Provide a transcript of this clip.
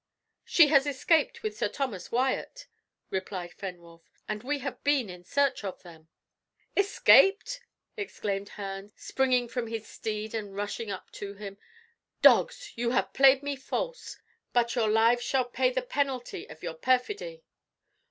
"She has escaped with Sir Thomas Wyat," replied Fenwolf, "and we have been in search of them." "Escaped!" exclaimed Herne, springing from his steed, and rushing up to him; "dogs! you have played me false. But your lives shall pay the penalty of your perfidy."